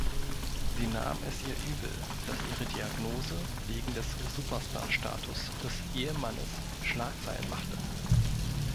Sie nahm es ihr übel, dass ihre Diagnose wegen des Superstar-Status des Ehemannes Schlagzeilen machte.